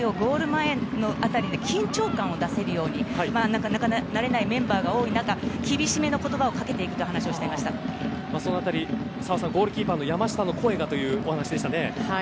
前の辺りで緊張感を出せるように慣れないメンバーが多い中厳しめの言葉をかけているとその辺り、ゴールキーパーの山下の声がというお話でしたね。